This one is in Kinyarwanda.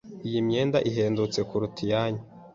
Iyi myenda ihendutse kuruta iyanyu.